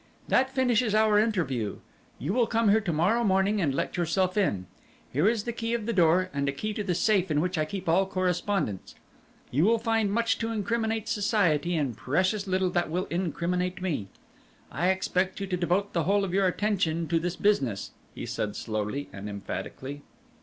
"That finishes our interview. You will come here to morrow morning and let yourself in. Here is the key of the door and a key to the safe in which I keep all correspondence. You will find much to incriminate society and precious little that will incriminate me. I expect you to devote the whole of your attention to this business," he said slowly and emphatically.